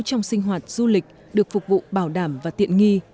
trong sinh hoạt du lịch được phục vụ bảo đảm và tiện nghi